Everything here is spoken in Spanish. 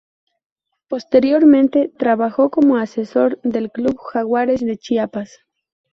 Posteriormente trabajó como asesor del club Jaguares de Chiapas.